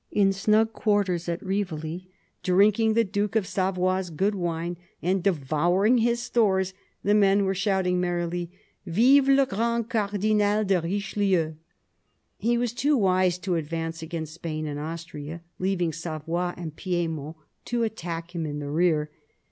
In snug quarters at Rivoli, drinking the Duke of Savoy's good wine and devouring his stores, the men were shouting merrily, " Vive le grand Cardinal de Richelieu !" He was too wise to advance against Spain and Austria, leaving Savoy and Piedmont to attack him in the rear.